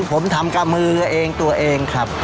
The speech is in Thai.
ผมทำกับมือเองตัวเองครับ